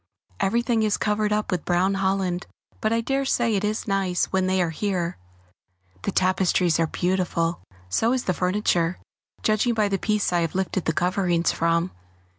Everything is covered up with brown holland, but I dare say it is nice when they are here. The tapestries are beautiful, so is the furniture, judging by the piece I have lifted the coverings from.